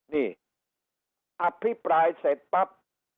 นี่อภิปรายเสร็จปั๊บ